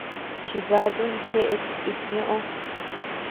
Chivatun jeʼet itñoʼo.